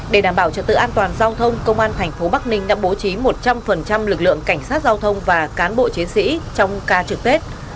để đảm bảo trật tự an toàn giao thông công an thành phố bắc ninh đã bố trí một trăm linh lực lượng cảnh sát giao thông và cán bộ chiến sĩ trong ca trực tết